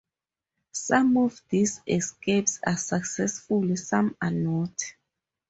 Some of these escapes are successful, some are not.